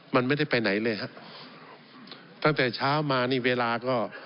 มันไม่ได้ไปไหนเลยฮะตั้งแต่เช้ามานี่เวลาก็